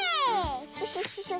シュシュシュシュ。